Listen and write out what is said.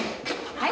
はい。